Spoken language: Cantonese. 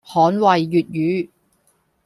捍衛粵語